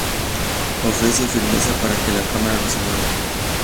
Ofrece firmeza para que la cámara no se mueva.